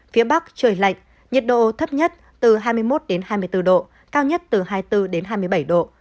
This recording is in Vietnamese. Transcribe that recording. phía bắc trời lạnh nhiệt độ thấp nhất từ hai mươi một hai mươi bốn độ cao nhất từ hai mươi bốn đến hai mươi bảy độ